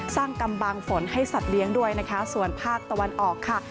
กำบังฝนให้สัตว์เลี้ยงด้วยนะคะส่วนภาคตะวันออกค่ะ